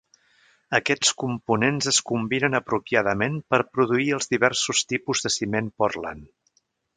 Aquests components es combinen apropiadament per produir els diversos tipus de ciment pòrtland.